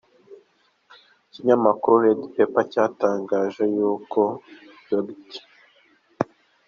Ikinyamakuru Red Pepper cyatangaje ko Dr.